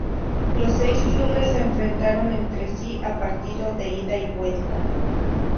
Los seis clubes se enfrentaron entre sí a partido de ida y vuelta.